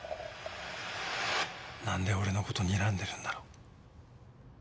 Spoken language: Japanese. なんで俺の事にらんでるんだろう？